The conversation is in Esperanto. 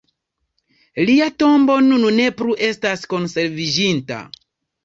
Lia tombo nun ne plu estas konserviĝinta.